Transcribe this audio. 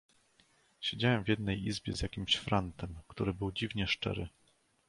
"siedziałem w jednej izbie z jakimś frantem, który był dziwnie szczery."